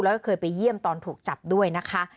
แล้วก็เคยไปเยี่ยมตอนถูกจับด้วยนะคะ